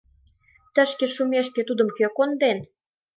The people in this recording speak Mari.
Тышке шумешке тудым кӧ конден?